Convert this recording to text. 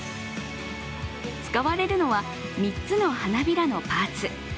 使われるのは３つの花びらのパーツ。